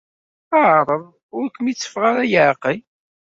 Ɛreḍ ur kem-yetteffeɣ ara leɛqel.